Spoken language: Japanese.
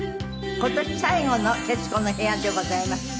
今年最後の『徹子の部屋』でございます。